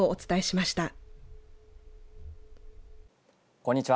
こんにちは。